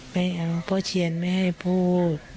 ไม่เอาพ่อเชียนไม่ให้พูด